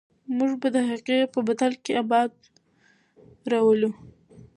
موږ به د هغې په بدل کې ابادي راولو.